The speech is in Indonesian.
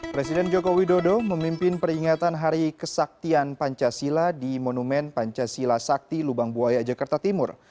presiden joko widodo memimpin peringatan hari kesaktian pancasila di monumen pancasila sakti lubang buaya jakarta timur